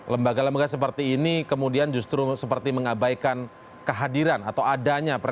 lembaga lembaga seperti ini kemudian justru seperti mengabaikan kehadiran atau adanya